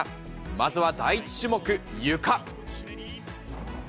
まずは第１種目、ゆか。